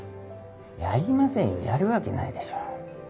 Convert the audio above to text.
やりませんよやるわけないでしょう。